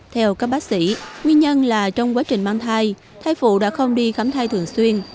theo các bác sĩ nguyên nhân là trong quá trình mang thai phụ đã không đi khám thai thường xuyên